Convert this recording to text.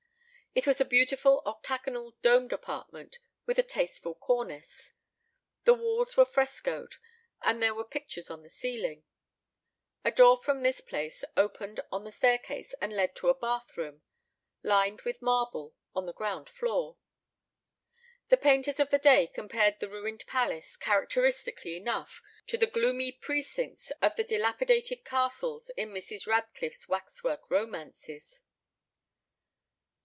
It was a beautiful octagonal domed apartment, with a tasteful cornice. The walls were frescoed, and there were pictures on the ceiling. A door from this place opened on the staircase and led to a bath room, lined with marble, on the ground floor. The painters of the day compared the ruined palace, characteristically enough, to the gloomy precincts of the dilapidated castles in Mrs. Radcliffe's wax work romances.